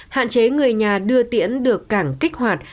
hạn chế người nhà đưa tiễn được cảng kích hoạt